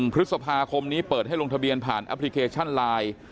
พฤษภาคมนี้เปิดให้ลงทะเบียนผ่านแอปพลิเคชันไลน์